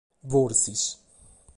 Forsis.